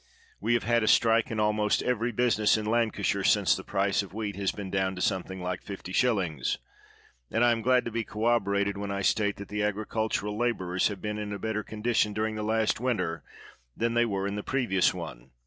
We have had a strike in almost ever^' business in Lancashire since the price of wheat has been down to something like 505. ; and I am glad to be corroborated when I state that the agricul tural laborers have been in a better condition during the last winter than they were in the pre^ ious one.